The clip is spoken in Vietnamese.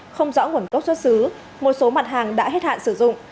không rõ nguồn gốc xuất xứ một số mặt hàng đã hết hạn sử dụng